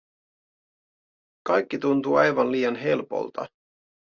Kaikki tuntui aivan liian helpolta.